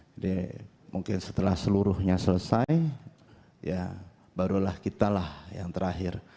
jadi mungkin setelah seluruhnya selesai ya barulah kitalah yang terakhir